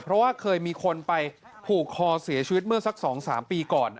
เพราะว่าเคยมีคนไปผูกคอเสียชีวิตเมื่อสัก๒๓ปีก่อน